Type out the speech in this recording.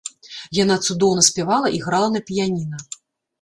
Яна цудоўна спявала і грала на піяніна.